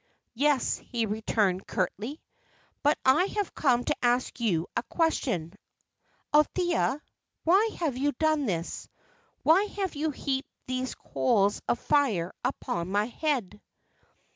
"Yes," he returned, curtly; "but I have come to ask you a question. Althea, why have you done this; why have you heaped these coals of fire upon my head?"